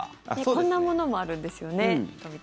こんなものもあるんですよね。